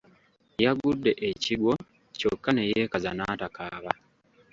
Yagudde ekigwo kyokka ne yeekaza n’atakaaba.